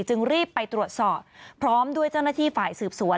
จึงรีบไปตรวจสอบพร้อมด้วยเจ้าหน้าที่ฝ่ายสืบสวน